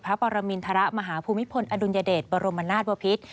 พระปรมินทรมหาภูมิภลอดุญเดชบรมนาฏวพิษ